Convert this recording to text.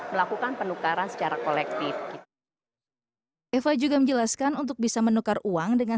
melakukan penukaran secara kolektif gitu eva juga menjelaskan untuk bisa menukar uang dengan